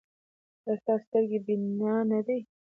ایا ستاسو سترګې بینا نه دي؟